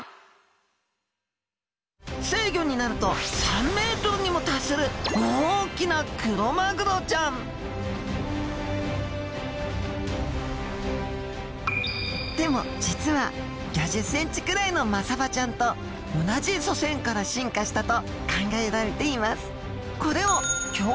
成魚になると３メートルにも達する大きなクロマグロちゃんでも実は５０センチくらいのマサバちゃんと同じ祖先から進化したと考えられています。